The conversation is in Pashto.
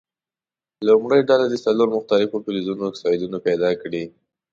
لومړۍ ډله دې څلور مختلفو فلزونو اکسایدونه پیداکړي.